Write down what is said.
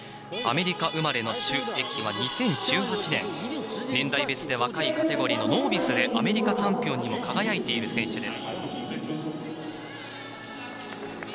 アメリカ生まれの朱易は２０１８年、年代別で若いカテゴリーのノービスでアメリカチャンピオンにも輝いている選手。